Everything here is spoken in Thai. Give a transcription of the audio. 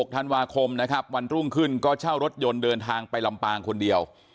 ธันวาคมนะครับวันรุ่งขึ้นก็เช่ารถยนต์เดินทางไปลำปางคนเดียว